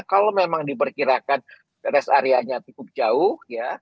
kalau memang diperkirakan rest areanya cukup jauh ya